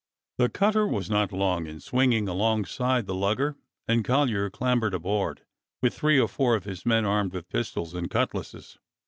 The cutter was not long in swinging alongside the lugger, and Collyer clambered aboard, with three or four of his men armed with pistols and cutlasses.